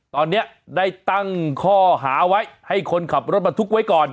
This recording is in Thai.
ตอนนี้ได้ตั้งข้อหาไว้ให้คนขับรถบรรทุกไว้ก่อน